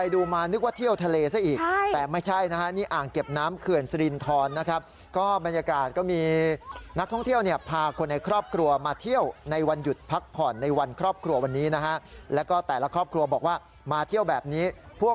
ดูสิมันเป็นเหมือนกับโขดหินใช่ไหมมันไปยื่นเข้าไปข้างในแบบนี้